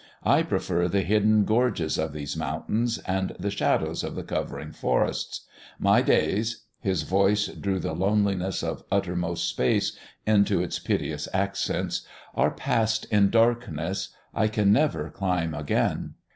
I prefer the hidden gorges of these mountains, and the shadows of the covering forests. My days" his voice drew the loneliness of uttermost space into its piteous accents "are passed in darkness. I can never climb again."